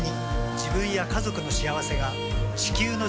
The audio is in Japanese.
自分や家族の幸せが地球の幸せにつながっている。